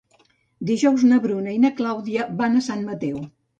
Dijous na Bruna i na Clàudia van a Sant Mateu.